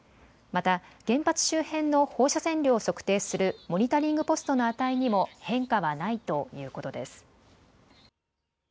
また原発周辺の放射線量を測定するモニタリングポストの値にも変化はないということです。